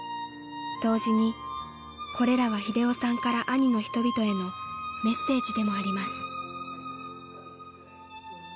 ［同時にこれらは英雄さんから阿仁の人々へのメッセージでもあります］